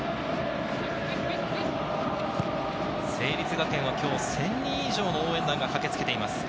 成立学園は今日１０００人以上の応援団が駆けつけています。